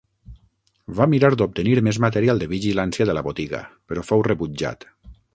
Va mirar d'obtenir més material de vigilància de la botiga, però fou rebutjat.